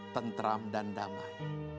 tentram dan damai